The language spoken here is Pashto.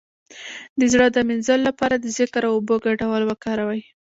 د زړه د مینځلو لپاره د ذکر او اوبو ګډول وکاروئ